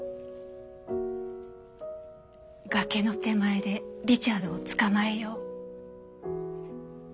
「崖の手前でリチャードをつかまえよう」。